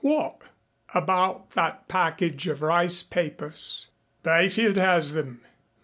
"What?" "About that package of rice papers." "Byfield has them."